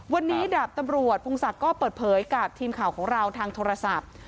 วันนี้ดาบตำรวจพงศักดิ์ก็เปิดเผยกับทีมข่าวของเราทางโทรศัพท์